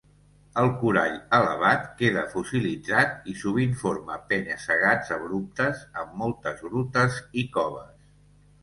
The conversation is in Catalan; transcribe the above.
El corall elevat queda fossilitzat i sovint forma penya-segats abruptes amb moltes grutes i coves.